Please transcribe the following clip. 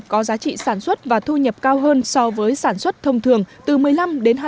có giá trị sản xuất và thu nhập cao hơn so với sản xuất thông thường từ một mươi năm đến hai mươi